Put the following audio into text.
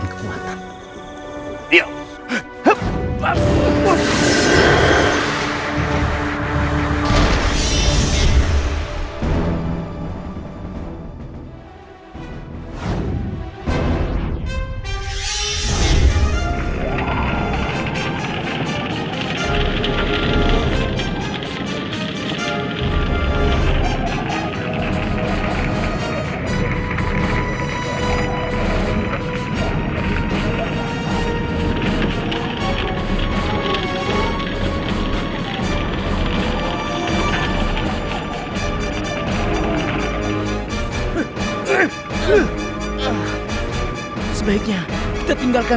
sampai jumpa di video selanjutnya